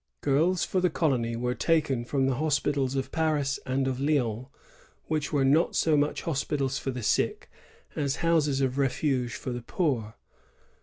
Girls for the colony were taken from the hospitals of Paris and of Lyons, which were not so much hospitals for the sick as houses of refuge for the poor.